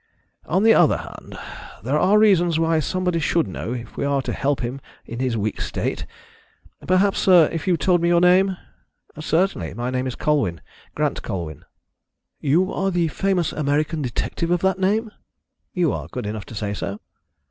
On the other hand, there are reasons why somebody should know, if we are to help him in his weak state. Perhaps, sir, if you told me your name " "Certainly: my name is Colwyn Grant Colwyn." "You are the famous American detective of that name?" "You are good enough to say so."